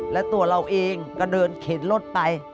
และตัวเราเองก็เดินเข็นรถไป